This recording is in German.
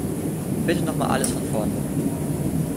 Bitte noch mal alles von vorne.